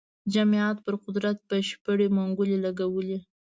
جمعیت پر قدرت بشپړې منګولې لګولې وې.